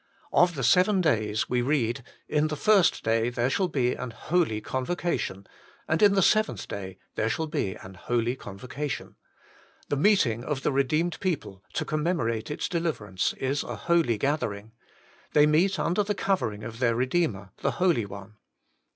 Of the seven days we read :' In the first day there shall be an holy convocation, and in the seventh day there shall HOLINESS AND REDEMPTION. 47 be an holy convocation ;' the meeting of the re deemed people to commemorate its deliverance is a holy gathering; they meet under the covering of their Eedeemer, the Holy One.